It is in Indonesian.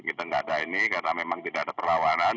kita tidak ada ini karena memang tidak ada perlawanan